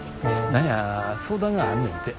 何や相談があんねんて。